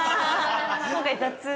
◆今回、雑。